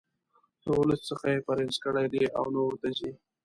له ولس څخه یې پرهیز کړی دی او نه ورته ځي.